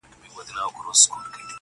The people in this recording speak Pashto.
ما يې لاره كړه بدله و بازار ته -